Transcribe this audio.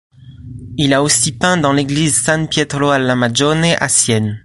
Il a aussi peint dans l'église de San Pietro alla Magione à Sienne.